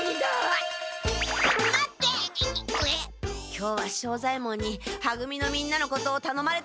今日は庄左ヱ門には組のみんなのことをたのまれたから止める！